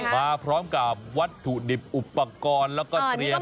มาพร้อมกับวัตถุดิบอุปกรณ์แล้วก็เตรียม